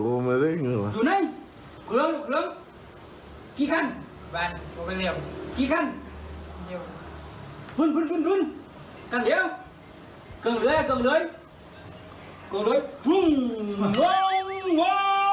อยู่แน่อยู่แน่ยังใกล้แล้วนะ